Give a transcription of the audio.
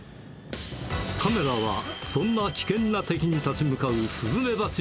カメラは、そんな危険な敵に立ち向かうスズメバチ